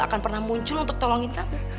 dia gak akan pernah muncul untuk tolongin kamu